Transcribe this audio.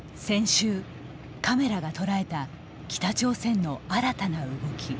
先週、カメラが捉えた北朝鮮の新たな動き。